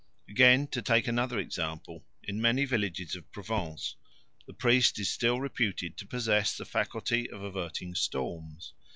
Again, to take another example, in many villages of Provence the priest is still reputed to possess the faculty of averting storms.